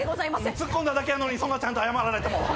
ツッコんだだけやのにそんなちゃんと謝られても。